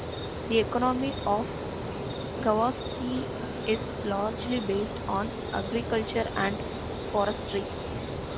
The economy of Kawasaki is largely based on agriculture and forestry.